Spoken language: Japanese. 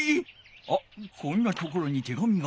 あっこんなところに手紙が。